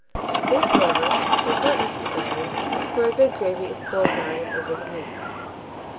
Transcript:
This, however, is not necessary where a good gravy is poured round and over the meat.